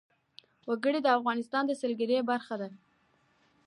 وګړي د افغانستان د سیلګرۍ برخه ده.